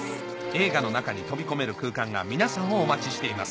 映画の中に飛び込める空間が皆さんをお待ちしています